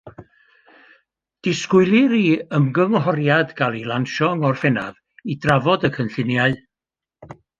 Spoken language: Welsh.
Disgwylir i ymgynghoriad gael ei lansio yng Ngorffennaf i drafod y cynlluniau.